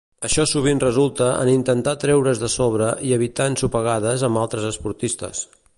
Això sovint resulta en intentar treure's de sobre i evitar ensopegades amb altres esportistes.